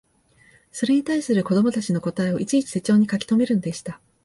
それに対する子供たちの答えをいちいち手帖に書きとめるのでした